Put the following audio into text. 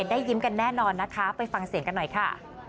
ได้ยิ้มกันแน่นอนนะคะไปฟังเสียงกันหน่อยค่ะ